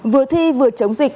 vừa thi vừa chống dịch